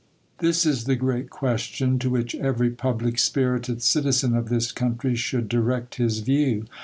This is the great question, t which every public spirited citizen of this countr should direct his view.